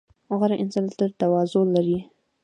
• غوره انسان تل تواضع لري.